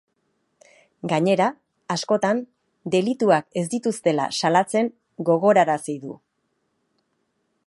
Gainera, askotan, delituak ez dituztela salatzen gogorarazi du.